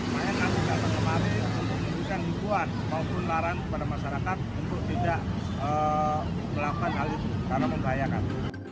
mayan aku datang kemari untuk memudikan hubungan maupun laran kepada masyarakat untuk tidak melakukan hal itu karena membahayakan